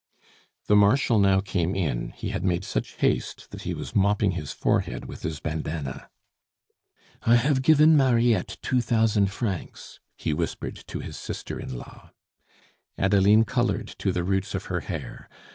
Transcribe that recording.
The Marshal now came in; he had made such haste, that he was mopping his forehead with his bandana. "I have given Mariette two thousand francs," he whispered to his sister in law. Adeline colored to the roots of her hair.